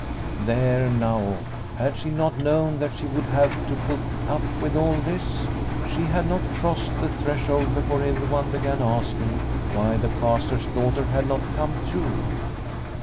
... There now, had she not known that she would have to put up with all this ? She had not crossed the threshold before everyone began asking why the Pastor's daughter had not come too.